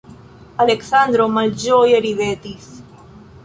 Aleksandro malĝoje ridetis.